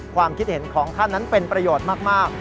ความคิดเห็นของท่านนั้นเป็นประโยชน์มาก